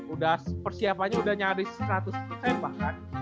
udah persiapannya udah nyaris seratus persen bahkan